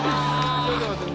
ちょっと待って。